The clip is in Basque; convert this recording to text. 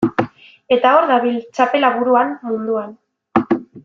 Eta hor dabil, txapela buruan, munduan.